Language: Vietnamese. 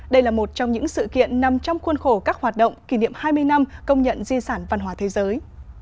đây là một trong những sự kiện nằm trong khuôn khổ các hoạt động kỷ niệm hai mươi năm công nhận di sản văn hóa thế giới